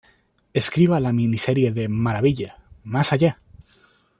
Escriba la miniserie de Maravilla "Más allá"!.